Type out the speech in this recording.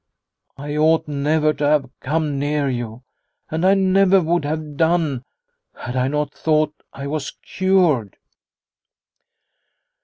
I ought never to have come near you, and I never would have done, had I not thought I was cured